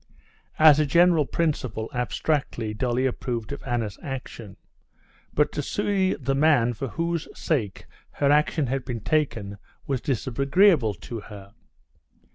As a general principle, abstractly, Dolly approved of Anna's action; but to see the man for whose sake her action had been taken was disagreeable to her.